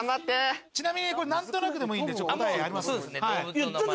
ちなみに何となくでもいいんで答えあります？